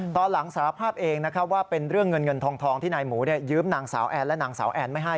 ตอนหลังสารภาพเองนะครับว่าเป็นเรื่องเงินเงินทองที่นายหมูยืมนางสาวแอนและนางสาวแอนไม่ให้